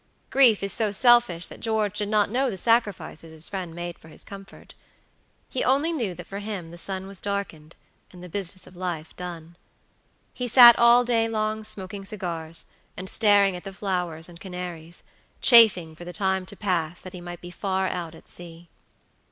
Grief is so selfish that George did not know the sacrifices his friend made for his comfort. He only knew that for him the sun was darkened, and the business of life done. He sat all day long smoking cigars, and staring at the flowers and canaries, chafing for the time to pass that he might be far out at sea.